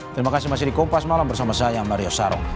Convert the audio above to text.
terima kasih masih di kompas malam bersama saya mario sarong